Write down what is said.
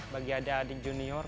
bagi ada adik junior